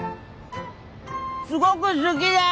すごく好きです！